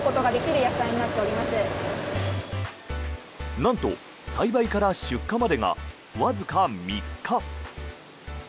なんと、栽培から出荷までがわずか３日。